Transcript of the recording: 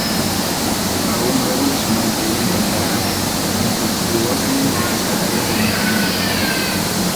Aún luego de su muerte ella intentará infructuosamente rescatarlo del inframundo.